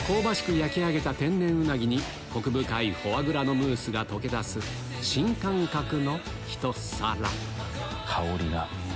焼き上げた天然ウナギにコク深いフォアグラのムースが溶け出す新感覚のひと皿香りが！